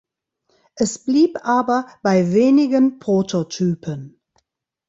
Es blieb aber bei wenigen Prototypen.